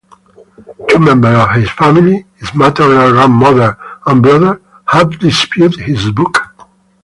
Two members of his family, his maternal grandmother and brother, have disputed his book.